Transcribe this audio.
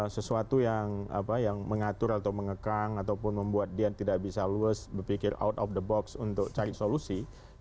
sesuatu yang mengatur atau mengekang ataupun membuat dia tidak bisa luwes berpikir out of the box untuk cari solusi